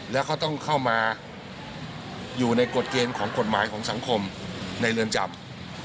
แล้วเขาต้องเข้ามาอยู่ในกฎเกณฑ์ของกฎหมายของสังคมในเรือนจำ